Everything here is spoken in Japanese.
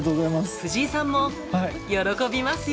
藤井さんも喜びますよ。